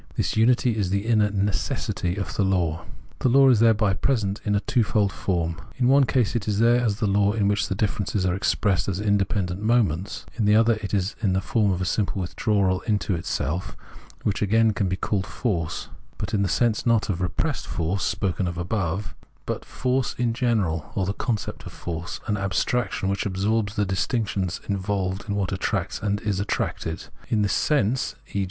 This unity is the inner " necessity " of the law. The law is thereby present in a twofold form. In one case it is there as law in which the differences are expressed as independent moments ; in the other it is in the form of a simple withdrawal into itself, which agaia can be called Force, but in the sense not of repressed force [spoken of above], but force in general, or the concept of force, an abstraction which absorbs the distinctions involved in what attracts and is attracted. In this sense, e.